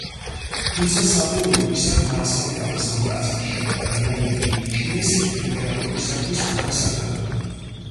თუმცა საბოლოოდ ის არ დაასაფლავეს ამ ტაძარში, რადგან იგი მიიჩნიეს იმპერატორისათვის არასათანადოდ.